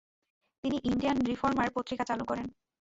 তিনি Indian reformer পত্রিকা চালু করেন।